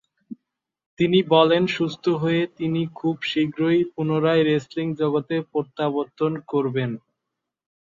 তিনি বলেন সুস্থ হয়ে তিনি খুব শীঘ্রই পুনরায় রেসলিং জগতে প্রত্যাবর্তন করবেন।